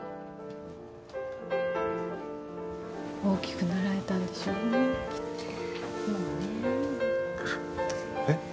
大きくなられたんでしょう？